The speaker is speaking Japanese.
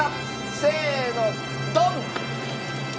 せーのドン！